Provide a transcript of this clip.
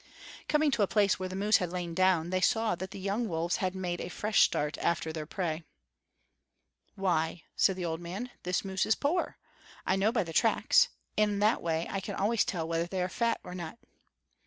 Coming to a place where the moose had lain down, they saw that the young wolves had made a fresh start after their prey. "Why," said the old wolf, "this moose is poor. I know by the tracks; in that way I can always tell whether they are fat or not."